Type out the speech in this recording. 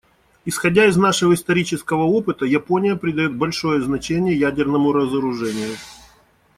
Исходя из нашего исторического опыта, Япония придает большое значение ядерному разоружению.